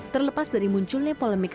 terlepas dari munculnya polemik